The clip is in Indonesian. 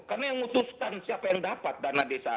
karena yang memutuskan siapa yang dapat dana desa